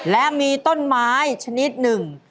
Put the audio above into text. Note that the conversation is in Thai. และมีต้นไม้ชนิดหนึ่ง